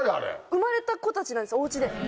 産まれた子たちなんですお家で。